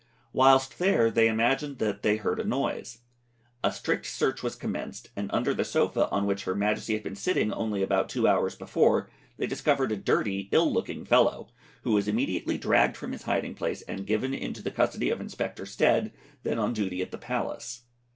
Whilst there they imagined that they heard a noise. A strict search was commenced, and under the sofa on which her Majesty had been sitting only about two hours before they discovered a dirty, ill looking fellow, who was immediately dragged from his hiding place, and given into the custody of Inspector Stead, then on duty at the Palace.